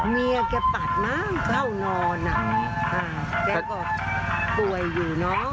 เมียก็ปัดมาเข้านอนอ่ะจากอกป่วยอยู่เนอะ